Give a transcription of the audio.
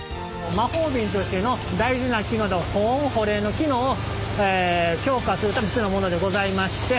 魔法瓶としての大事な機能である保温・保冷の機能を強化するために必要なものでございまして。